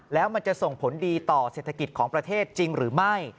แล้วมันจะส่งผลดีต่อเศรษฐกิจของประเทศจริงหรือไม่